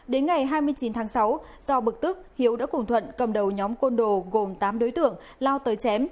đến ngày hai mươi chín tháng sáu do bực tức hiếu đã cùng thuận cầm đầu nhóm côn đồ gồm tám đối tượng lao tới chém